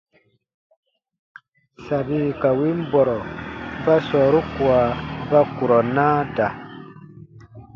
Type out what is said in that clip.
Sabi ka win bɔrɔ ba sɔɔru kua ba kurɔ naa da.